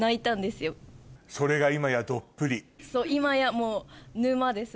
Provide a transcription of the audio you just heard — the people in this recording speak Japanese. そう今や沼です